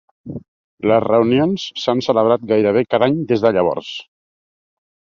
Les reunions s'han celebrat gairebé cada any des de llavors.